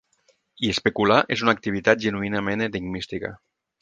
I especular és una activitat genuïnament enigmística.